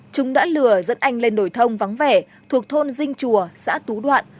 chúng đã lừa dẫn anh lên đồi thông vắng vẻ thuộc thôn dinh chùa xã tú đoạn